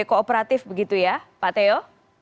kooperatif begitu ya pak teo